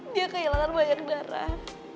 dia kehilangan banyak darah